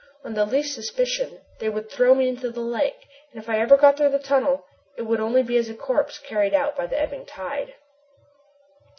On the least suspicion they would throw me into the lake, and if I ever got through the tunnel, it would only be as a corpse carried out by the ebbing tide.